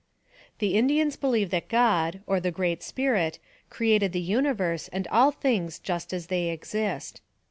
The Indians believe that God, or the Great Spirit, created the universe and all things just as they exist.